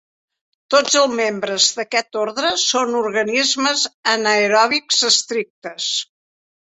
Tots els membres d'aquest ordre són organismes anaeròbics estrictes.